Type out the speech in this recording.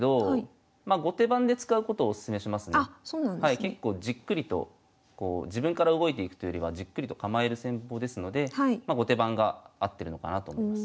結構じっくりと自分から動いていくというよりはじっくりと構える戦法ですのでま後手番が合ってるのかなと思います。